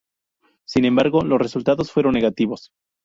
Sin embargo, los resultados fueron negativos.